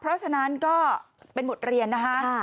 เพราะฉะนั้นก็เป็นบทเรียนนะคะ